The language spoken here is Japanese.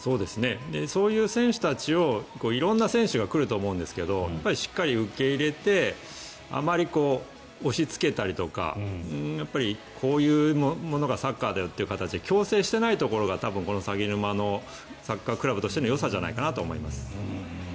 そういう選手たちを色んな選手が来ると思うんですがしっかり受け入れてあまり押しつけたりとかこういうものがサッカーだよという形で強制していないところが多分、このさぎぬまのサッカークラブとしてのよさだと思います。